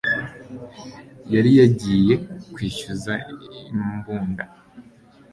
Yari yagiye kwishyuza imbunda